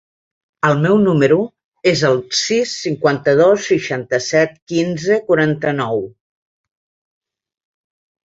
El meu número es el sis, cinquanta-dos, seixanta-set, quinze, quaranta-nou.